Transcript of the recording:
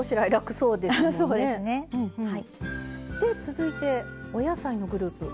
で続いてお野菜のグループ。